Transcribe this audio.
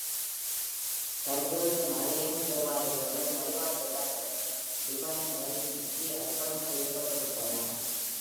பல்வேறு Marian தேவாலயங்களும் வழிபாட்டு இடங்களும் Divine Mercy-க்கு அர்ப்பணம் செய்யப்பட்டு விட்டன.